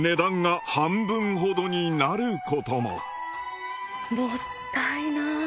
もったいない。